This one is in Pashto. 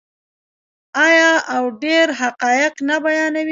آیا او ډیر حقایق نه بیانوي؟